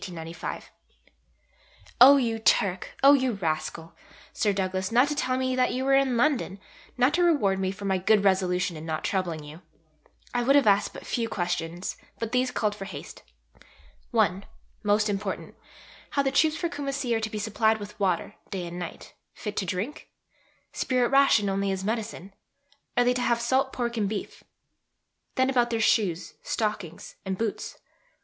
Oh you Turk, oh you rascal, Sir Douglas, not to tell me that you were in London, not to reward me for my good resolution in not troubling you. I would have asked but few questions, but these called for haste. (i.) Most important: How the troops for Kumassi are to be supplied with water, day and night, fit to drink? Spirit ration only as medicine? Are they to have salt pork and beef? Then about their shoes, stockings, and boots?